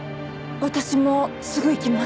私もすぐ行きます。